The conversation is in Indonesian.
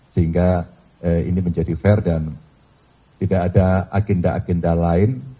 sehingga ini menjadi fair dan tidak ada agenda agenda lain